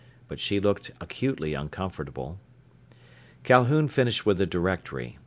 But she looked acutely uncomfortable. Calhoun finished with the Directory.